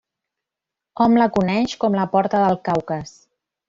Hom la coneix com la porta del Caucas.